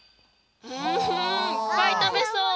うんいっぱいたべそう！